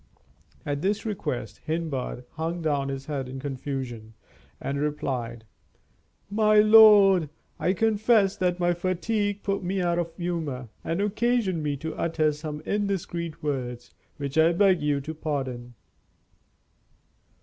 At this request Hindbad hung down his head in confusion, and replied: "My lord, I confess that my fatigue put me out of humor, and occasioned me to utter some indiscreet words, which I beg you to pardon."